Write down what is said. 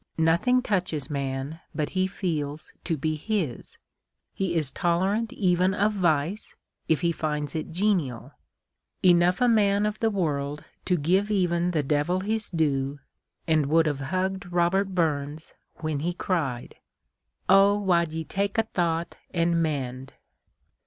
Nothing touches man but he feels to be his ; he is tolerant even of vice, if he finds it genial; enough a man of the world to give even the devil his due, and would have hugged Robert Burns, when he cried, " 0 wad ye tak' a tliought and mend